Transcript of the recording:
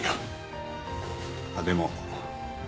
あっでも。